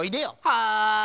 はい。